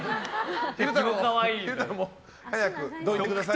昼太郎も早くどいてください。